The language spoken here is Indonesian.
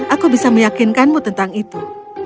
aku bisa meyakinkanmu tentang itu